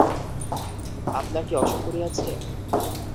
আপনার কি অসুখ করিয়াছে।